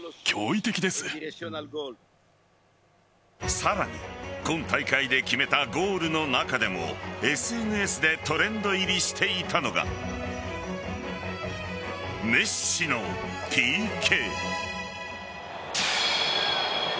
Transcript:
さらに今大会で決めたゴールの中でもＳＮＳでトレンド入りしていたのがメッシのＰＫ。